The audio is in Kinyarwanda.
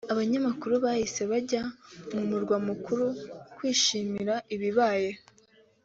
abanyagihugu bahise bajya mu murwa mukuru kwishimira ibibaye